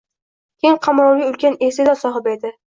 Keng qamrovli ulkan iste’dod sohibi edi